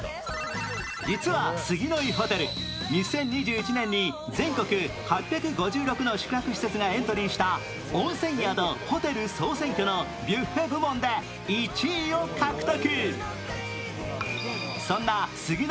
実は杉乃井ホテル、２０２１年に全国８５６の施設がエントリーした温泉宿・ホテル総選挙のビュッフェ部門で１位を獲得。